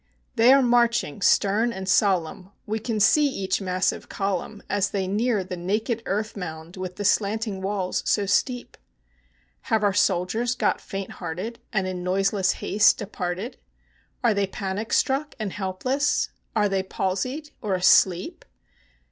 They are marching, stern and solemn; we can see each massive column As they near the naked earth mound with the slanting walls so steep. Have our soldiers got faint hearted, and in noiseless haste departed? Are they panic struck and helpless? Are they palsied or asleep?